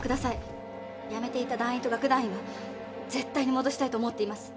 やめていった団員と楽団員は絶対に戻したいと思っています。